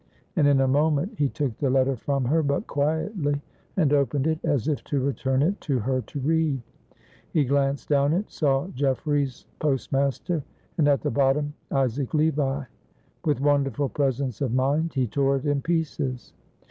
And in a moment he took the letter from her, but quietly, and opened it as if to return it to her to read. He glanced down it, saw "Jefferies, postmaster," and at the bottom "Isaac Levi." With wonderful presence of mind he tore it in pieces.